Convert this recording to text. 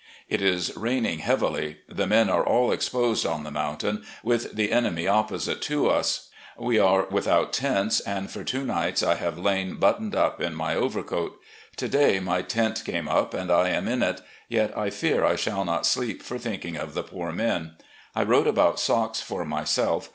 "It is raining heavily. The men are all exposed on the mountain, with the enemy opposite to us. We are without tents, and for two nights I have lain buttoned up in my overcoat. To day my tent came up and I am in it. Yet I fear I shall not sleep for thinking of the poor men. I wrote about socks for myself.